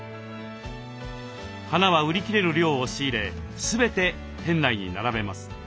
花は売り切れる量を仕入れ全て店内に並べます。